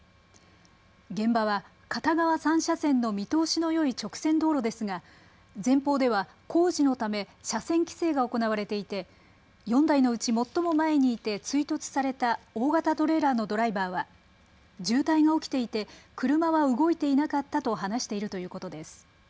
現場は片側３車線の見通しのよい直線道路ですが前方では工事のため車線規制が行われていて４台のうち最も前にいて追突された大型トレーラーのドライバーは渋滞が起きていて車は動いていなかったと話しているということです。